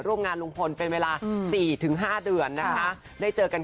ร่วมงานร่วมงานรูปนุงพล